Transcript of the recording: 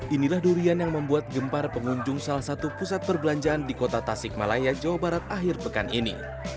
inilah durian yang membuat gempar pengunjung salah satu pusat perbelanjaan di kota tasik malaya jawa barat akhir pekan ini